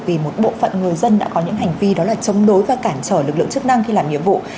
vì một bộ phận người dân đã có những hành vi đó là chống đối và cản trở lực lượng chức năng khi làm nhiệm vụ